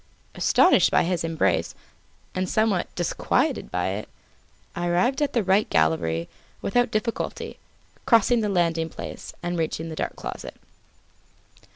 Astonished by his embrace, and somewhat disquieted by it, I arrived at the right gallery without difficulty, crossing the landing place, and reaching the dark closet.